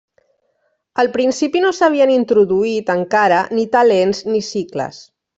Al principi no s’havien introduït encara ni talents ni sicles.